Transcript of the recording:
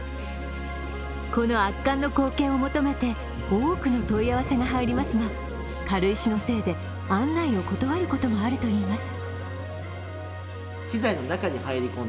この圧巻の光景を求めて多くの問い合わせが入りますが軽石のせいで案内を断ることもあるといいます。